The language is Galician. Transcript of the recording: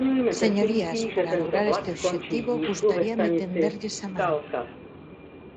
Señorías, para lograr este obxectivo gustaríame tenderlles a man.